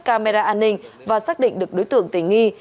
camera an ninh và xác định được đối tượng tình nghi